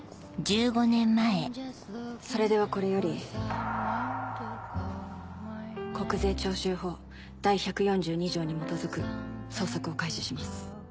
それではこれより国税徴収法第１４２条に基づく捜索を開始します。